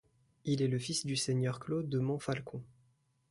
Il est le fils du seigneur Claude de Montfalcon.